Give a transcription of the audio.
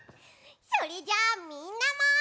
それじゃあみんなも。